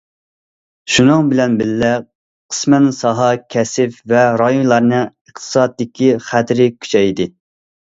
شۇنىڭ بىلەن بىللە، قىسمەن ساھە، كەسىپ ۋە رايونلارنىڭ ئىقتىسادتىكى خەتىرى كۈچەيدى.